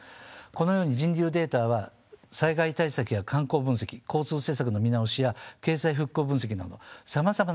このように人流データは災害対策や観光分析交通施策の見直しや経済復興分析などさまざまなシーンで活用できます。